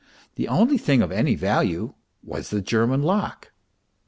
The only thing of any value was the German lock.